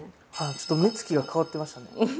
ちょっと目つきが変わってましたね。